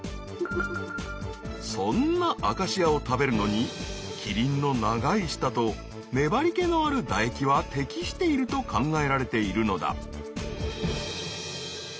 そんなアカシアを食べるのにキリンの長い舌と粘りけのある唾液は適していると考えられているのだ。